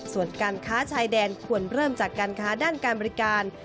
ส่วนการค้าชายแดนควรเริ่มจากการค้าด้านการบริการ